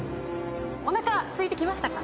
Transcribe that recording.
おなかすいてきましたか？